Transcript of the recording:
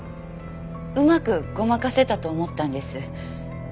うまくごまかせたと思ったんです。